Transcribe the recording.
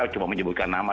cuma menyebutkan nama